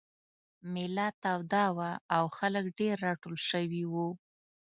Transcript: مېله توده وه او خلک ډېر راټول شوي وو.